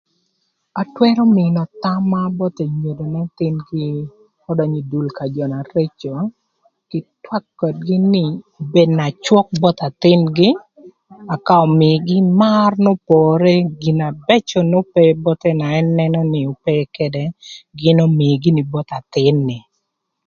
Atwërö mïö thama both enyodo n'ëthïnögï ödönyö ï dul ka jö na reco kï twak ködgï nï bed na cwök both athïngï ëka ömïïgï mar n'opore gin na bëcö n'ope bothe na ën nënö nï ope ködë gïn ömïï gïnï both athïn ni.